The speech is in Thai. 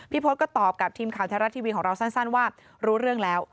พศก็ตอบกับทีมข่าวแท้รัฐทีวีของเราสั้นว่ารู้เรื่องแล้ว